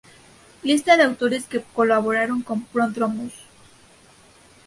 Lista de autores que colaboraron en Prodromus.